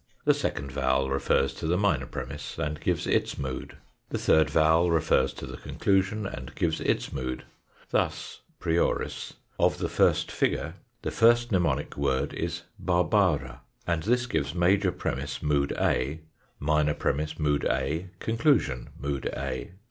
The second vowel refers to the minor premiss, and gives its mood. The third vowel refers to the conclusion, and gives its mood. Thus (prioris) of the first figure the first mnemonic word is " barbara," and this gives major premiss, mood A ; minor premiss, mood A ; conclusion, mood A.